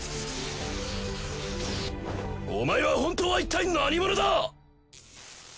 お前は本当はいったい何者だ！